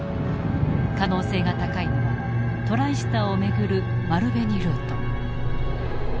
可能性が高いのはトライスターを巡る丸紅ルート。